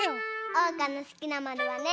おうかのすきなまるはね。